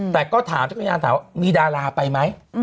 แต่ก็ถามจักรยานถามว่ามีดาราไปไหม